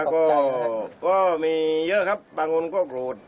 ลูกค้าก็มีเยอะครับบางวันก็โกรธ